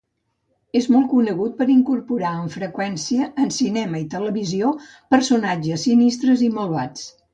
És molt conegut per incorporar amb freqüència en cinema i televisió personatges sinistres i malvats.